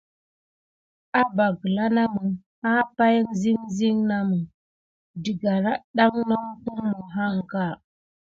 Aba gǝla namǝ, ah pan zin zin nanǝ, digga nadan nampumo ǝnka.